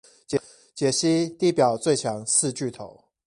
解析地表最強四巨頭